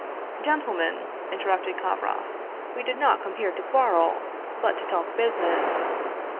" Gentlemen," interrupted Kovroff, " we did not come here to quarrel, but to talk business.